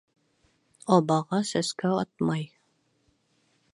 Абаға сәскә атмай